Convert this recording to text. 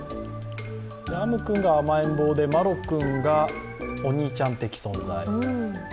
逢夢君が甘えん坊で、麻呂君がお兄ちゃん的存在。